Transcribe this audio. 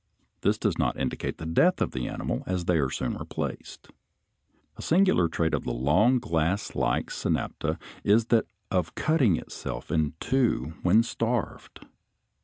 This does not indicate the death of the animal, as they are soon replaced. A singular trait of the long glasslike Synapta is that of cutting itself in two when starved.